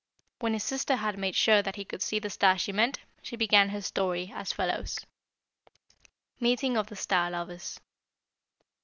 When his sister had made sure that he could see the stars she meant, she began her story as follows: MEETING OF THE STAR LOVERS.